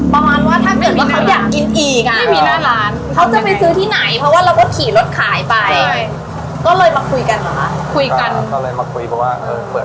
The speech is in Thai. ประมาณว่าถ้าเกิดว่าเค้าอยากกินอีกอะ